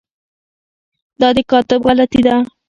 دا د کاتب غلطي ده.